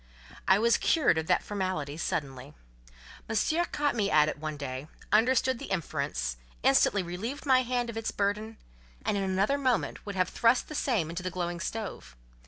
I was cured of that formality suddenly. Monsieur caught me at it one day, understood the inference, instantly relieved my hand of its burden, and, in another moment, would have thrust the same into the glowing stove.